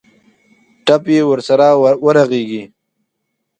ټپ یې ورسره ورغېږي.